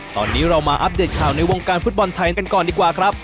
ตอนนี้เรามาอัปเดตข่าวในวงการฟุตบอลไทยกันก่อนดีกว่าครับ